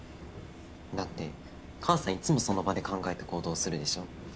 だって母さんいつもその場で考えて行動するでしょ。